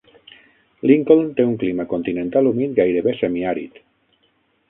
Lincoln té un clima continental humit gairebé semiàrid.